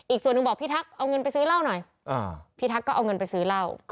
ส่วนหนึ่งบอกพี่ทักเอาเงินไปซื้อเหล้าหน่อยพี่ทักษ์ก็เอาเงินไปซื้อเหล้า